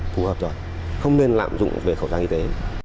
phù hợp rồi không nên lạm dụng về khẩu trang y tế